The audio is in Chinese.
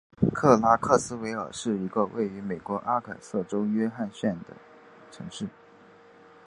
克拉克斯维尔是一个位于美国阿肯色州约翰逊县的城市。